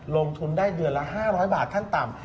ลงทุนได้เดือนละ๕๐๐บาทขั้นต่ำ